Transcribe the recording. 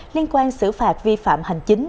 liên quan xử phạt vi phạm hành chính